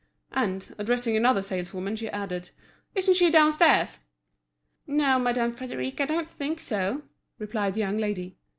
And, addressing another saleswoman, she added: "Isn't she downstairs?" "No, Madame Frédéric, I don't think so," replied the young lady.